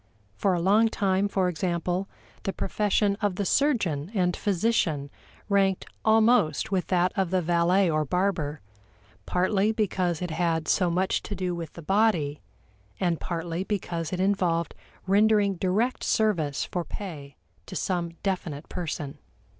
For a long time, for example, the profession of the surgeon and physician ranked almost with that of the valet or barber partly because it had so much to do with the body, and partly because it involved rendering direct service for pay to some definite person.